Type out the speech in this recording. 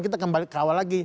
kita kembali ke awal lagi